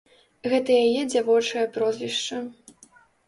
Гэта яе дзявочае прозвішча.